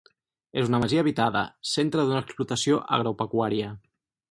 És una masia habitada, centre d'una explotació agropecuària.